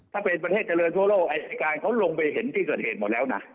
ถ้าเป็นประเทศเจริญทั่วโลกอายการเขาลงไปเห็นที่เกิดเหตุหมดแล้วนะ